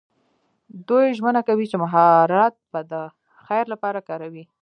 دوی ژمنه کوي چې مهارت به د خیر لپاره کاروي.